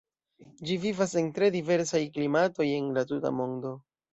Ĝi vivas en tre diversaj klimatoj en la tuta mondo.